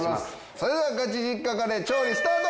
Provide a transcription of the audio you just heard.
それではガチ実家カレー調理スタート！